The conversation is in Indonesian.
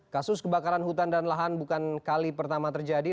kasus kebakaran hutan dan lahan bukan kali pertama terjadi